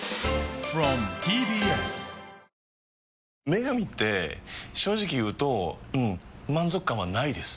「麺神」って正直言うとうん満足感はないです。